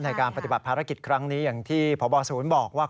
ในการปฏิบัติภารกิจครั้งนี้อย่างที่พบศูนย์บอกว่า